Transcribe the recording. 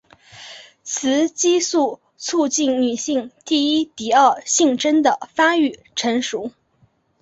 雌激素促进女性第一第二性征的发育成熟。